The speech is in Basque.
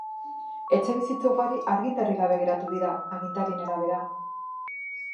Etxebizitza ugari argindarrik gabe geratu dira, agintarien arabera.